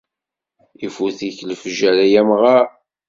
Ifut-ik lefjer, ay amɣar.